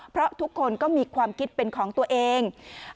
เพราะทุกคนก็มีความคิดเป็นของตัวเอง